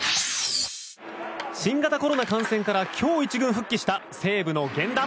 新型コロナ感染から今日１軍復帰した西武の源田。